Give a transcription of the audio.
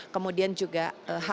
kemudian juga hak untuk menerbitkan